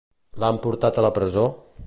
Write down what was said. L'han portat a la presó?